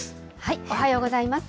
おはようございます。